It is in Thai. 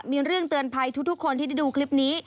มีเรื่องเตือนภัยทุกคนที่ได้ดูคลิปนี้